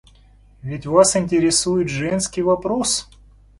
Ведь вас интересует женский вопрос?